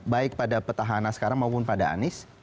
baik pada petahana sekarang maupun pada anies